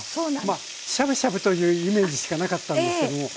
まあしゃぶしゃぶというイメージしかなかったんですけども。